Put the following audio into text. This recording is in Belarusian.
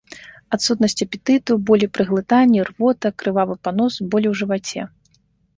Адсутнасць апетыту, болі пры глытанні, рвота, крывавы панос, болі ў жываце.